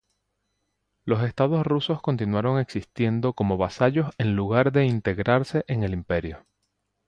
Los Estados rusos continuaron existiendo como vasallos en lugar de integrarse en el Imperio.